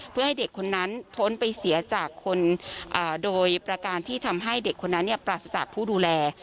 เพื่อให้เด็กคนนั้นพ้นไปเสียจากคนโดยประการที่ทำให้เด็กคนนั้นปราศจากผู้ดูแล